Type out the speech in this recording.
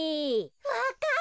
わかる？